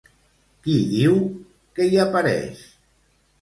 Qui diu que hi apareix?